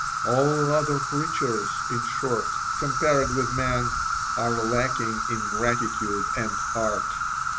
All other creatures, in short, compared with man, are lacking in gratitude and heart.